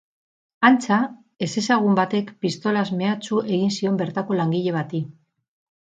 Antza, ezezagun batek pistolaz mehatxu egin zion bertako langile bati.